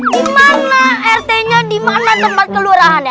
dimana rt nya dimana tempat kelurahannya